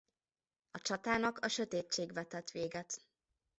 A csatának a sötétség vetett véget.